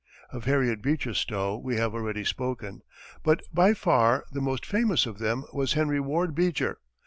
Of Harriet Beecher Stowe we have already spoken, but by far the most famous of them was Henry Ward Beecher.